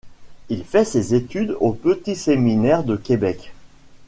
Il fait ses études au Petit séminaire de Québec.